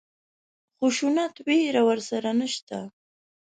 خشونت وېره ورسره نشته.